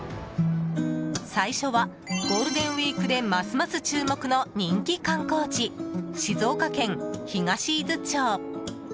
最初は、ゴールデンウィークでますます注目の人気観光地、静岡県東伊豆町。